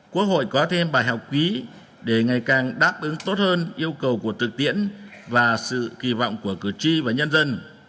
quốc hội có thêm bài học quý để ngày càng đáp ứng tốt hơn yêu cầu của thực tiễn và sự kỳ vọng của cử tri và nhân dân